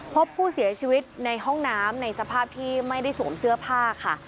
พบผู้เสียชีวิตในห้องน้ำในสภาพที่ไม่ได้สวมเสื้อผ้าค่ะ